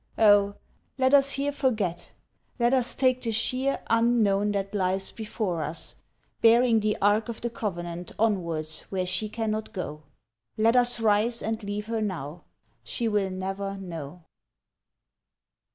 Oh, let us here forget, let us take the sheer Unknown that lies before us, bearing the ark Of the covenant onwards where she cannot go. Let us rise and leave her now, she will never know.